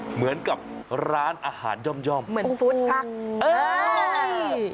เหมือนกับร้านอาหารย่อมเหมือนฟู้ดชักเอ้ย